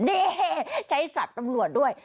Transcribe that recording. นี่ใช้ศัพท์ตำรวจด้วย